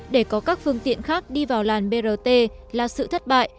để có các phương tiện khác đi vào làn brt là sự thất bại